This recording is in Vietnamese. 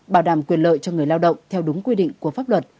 bảo đảm quyền lợi cho người lao động theo đúng quy định của pháp luật